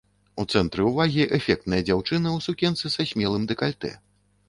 У цэнтры ўвагі эфектная дзяўчына ў сукенцы са смелым дэкальтэ.